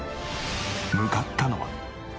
向かったのは。